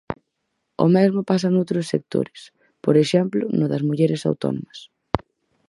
O mesmo pasa noutros sectores, por exemplo no das mulleres autónomas.